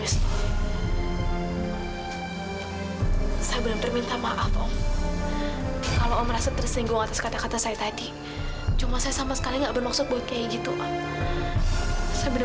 sampai jumpa di video selanjutnya